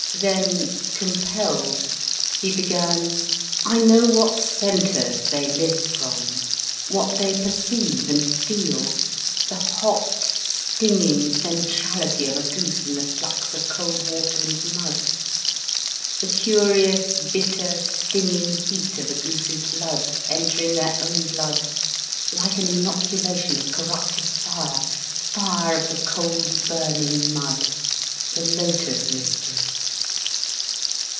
Then, compelled, he began: "I know what centres they live from—what they perceive and feel—the hot, stinging centrality of a goose in the flux of cold water and mud—the curious bitter stinging heat of a goose's blood, entering their own blood like an inoculation of corruptive fire—fire of the cold burning mud—the lotus mystery."